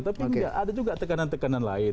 tapi ada juga tekanan tekanan lain